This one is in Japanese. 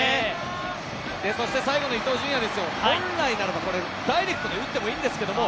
そして最後の伊東純也ですよ、本来なら、ダイレクトで打っていいですけどね。